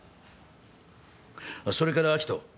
それから明人。